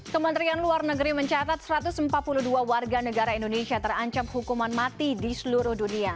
kementerian luar negeri mencatat satu ratus empat puluh dua warga negara indonesia terancam hukuman mati di seluruh dunia